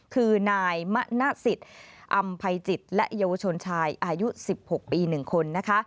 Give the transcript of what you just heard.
คือนายมะนะศิษย์อำไพจิตและเยาวชนชายอายุ๑๖ปี๑คน